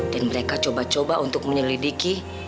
dan mereka coba coba untuk menyelidiki